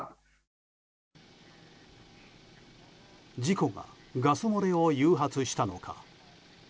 事故がガス漏れを誘発したのか。